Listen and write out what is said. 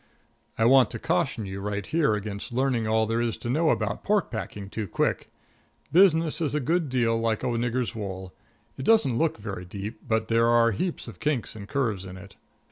I want to caution you right here against learning all there is to know about pork packing too quick. Business is a good deal like a nigger's wool it doesn't look very deep, but there are a heap of kinks and curves in it.